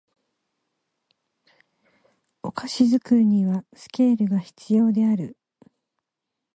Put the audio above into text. お菓子作りにはスケールが必要である